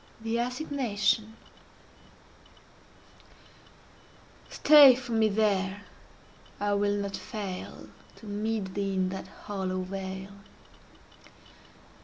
THE ASSIGNATION Stay for me there! I will not fail. To meet thee in that hollow vale.